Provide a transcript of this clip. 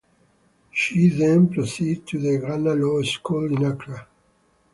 She then proceeded to the Ghana Law School in Accra.